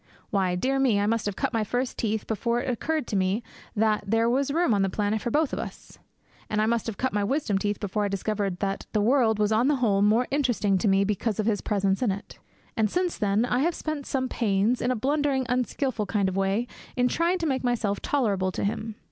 Why, dear me, I must have cut my first teeth before it occurred to me that there was room on the planet for both of us; and I must have cut my wisdom teeth before I discovered that the world was on the whole more interesting to me because of his presence on it. And since then I have spent some pains, in a blundering, unskilful kind of a way, in trying to make myself tolerable to him.